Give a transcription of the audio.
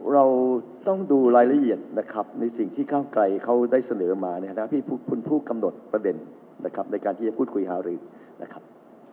เราต้องดูรายละเอียดนะครับในสิ่งที่ก้าวไกลเขาได้เสนอมาเนี่ยนะคุณผู้กำหนดประเด็นนะครับในการที่จะพูดคุยหารือนะครับ